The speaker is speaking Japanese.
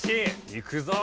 いくぞ！